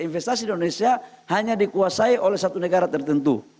investasi di indonesia hanya dikuasai oleh satu negara tertentu